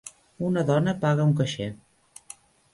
Una dona paga un caixer.